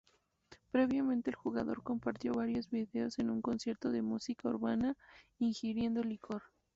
Previamente el jugador compartió varios vídeos en un concierto de música urbana ingiriendo licor.